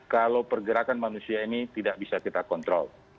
kalau pergerakan manusia ini tidak bisa kita kontrol